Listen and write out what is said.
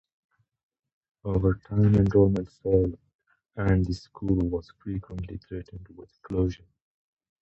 Over time enrollment fell, and the school was frequently threatened with closure.